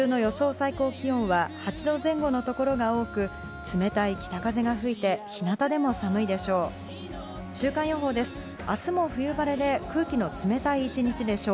最高気温は８度前後の所が多く、冷たい北風が吹いて、日向でも寒いでしょう。